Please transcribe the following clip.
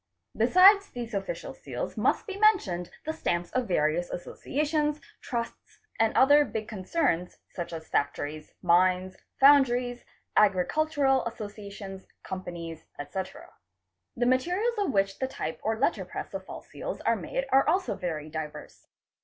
Besides these official seals must be mentioned the stamps of various associations, trusts, and other San AMA " AL LAP LMS LATTA RIE aS A RN HAN ' big concerns such as factories, mines, foundries, agricultural associations, companies, etc. _ The materials of which the type or letter press of false seals are made are also very diverse.